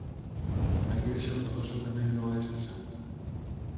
A Igrexa Ortodoxa tamén loa este santo.